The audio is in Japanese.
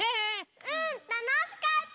うんたのしかった！